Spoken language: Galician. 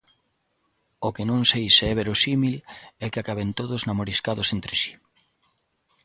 O que non sei se é verosímil é que acaben todos namoriscados entre si.